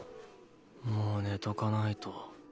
もう寝とかないと。